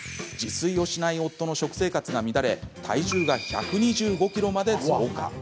自炊をしない夫の食生活が乱れ体重が１２５ｋｇまで増加。